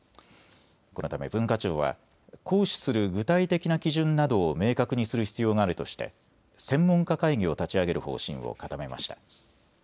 このため文化庁は行使する具体的な基準などを明確にする必要があるとして専門家会議を立ち上げる方針を固めました。